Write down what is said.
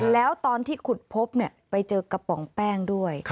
แล้วตอนที่ขุดพบไปเจอกระป๋องแป้งด้วย